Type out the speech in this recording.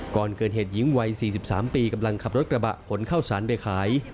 ก่อนเกิดเหตุหญิงวัย๔๓ปีกำลังขับรถกระบะขนข้าวสารไปขาย